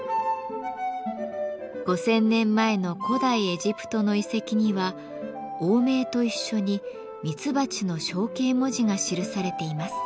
５，０００年前の古代エジプトの遺跡には王名と一緒にミツバチの象形文字が記されています。